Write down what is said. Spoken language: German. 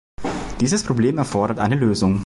Dieses Problem erfordert eine Lösung.